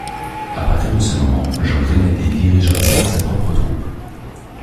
À partir de ce moment, Jean Grimaldi dirigera seul sa propre troupe.